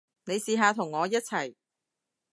你試下同我一齊